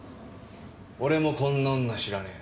俺もこんな女知らねえ。